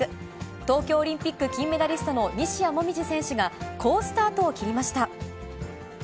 東京オリンピック金メダリストの西矢椛選手が好スタートを切りました。